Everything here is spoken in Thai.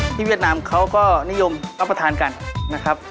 เวียดนามเขาก็นิยมรับประทานกันนะครับ